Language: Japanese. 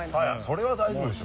それは大丈夫でしょ。